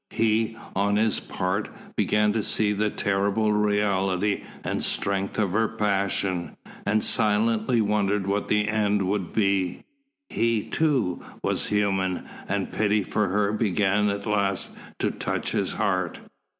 He, on his part, began to see the terrible reality and strength of her passion, and silently wondered what the end would be. He, too, was human, and pity for her began at last to touch his heart.